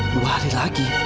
dua hari lagi